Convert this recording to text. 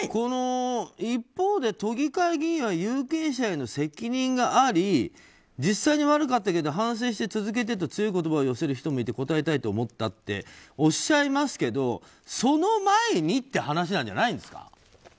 一方で都議会議員は有権者への責任があり実際に悪かったけど反省して続けてと強い言葉を寄せる人もいて応えたいと思ったっておっしゃいますけどその前にって話なんじゃないですか。